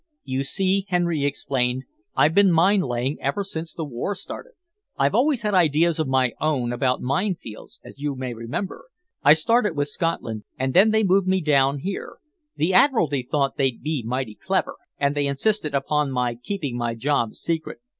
"You see," Sir Henry explained, "I've been mine laying ever since the war started. I always had ideas of my own about mine fields, as you may remember. I started with Scotland, and then they moved me down here. The Admiralty thought they'd be mighty clever, and they insisted upon my keeping my job secret.